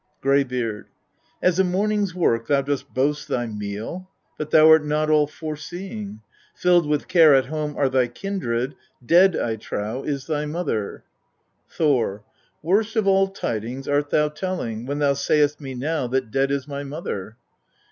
Greybeard. 4. As a morning's work thou dost boast thy meal ; but thou art not all forseeing : filled with care at home are thy kindred, dead I trow is thy mother. Thor. 5. Worst of all tidings art thou telling, when thou sayest me now that dead is my mother.